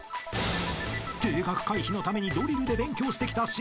［停学回避のためにドリルで勉強してきた島君］